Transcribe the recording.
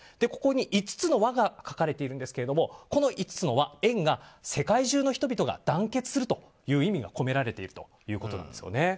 ここに５つの輪がかかれているんですがこの５つ円が世界中の人々が団結するという意味が込められているということです。